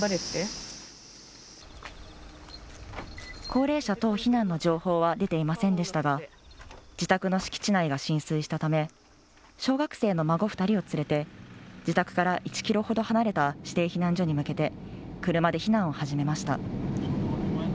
高齢者等避難の情報は出ていませんでしたが、自宅の敷地内が浸水したため、小学生の孫２人を連れて、自宅から１キロほど離れた指定避難所に向けて、車で避難を始めました。